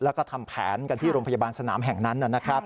แล้วก็ทำแผนกันที่โรงพยาบาลสนามแห่งนั้นนะครับ